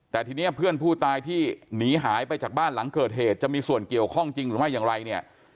แต่ทีนี้เพื่อนผู้ตายที่หนีหายไปจากบ้านหลังเกิดเหตุจะมีส่วนเกี่ยวข้องจริงหรือไม่อย่างไรเนี่ย